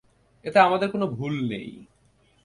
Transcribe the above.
এতে আমাদের কোনো ভুল নেই।